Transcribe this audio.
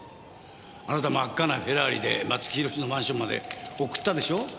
あなた真っ赤なフェラーリで松木弘のマンションまで送ったでしょ？